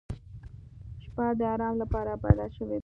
• شپه د آرام لپاره پیدا شوې ده.